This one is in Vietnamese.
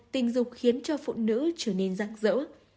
một tình dục khiến cho phụ nữ trở nên rạng rỡ